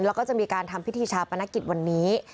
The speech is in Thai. แล้วก็จะมีการทำพิธีชาปนกิจวันนี้